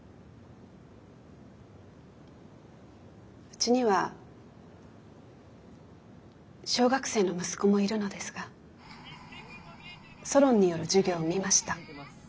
うちには小学生の息子もいるのですがソロンによる授業を見ました。